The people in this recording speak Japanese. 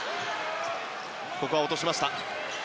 ここは落としました。